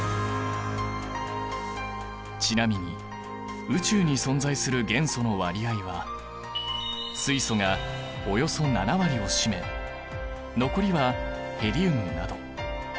ちなみに宇宙に存在する元素の割合は水素がおよそ７割を占め残りはヘリウムなど。